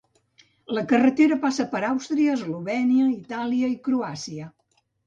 La carretera passa per Àustria, Eslovènia, Itàlia i Croàcia.